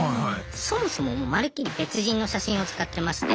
そもそももうまるっきり別人の写真を使ってまして。